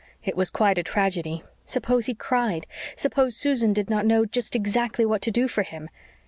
It was quite a tragedy. Suppose he cried? Suppose Susan did not know just exactly what to do for him?